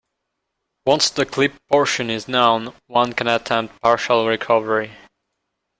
Once the clipped portion is known, one can attempt partial recovery.